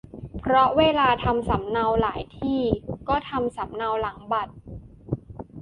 เพราะเวลาทำสำเนา หลายที่ก็ทำสำเนาหลังบัตร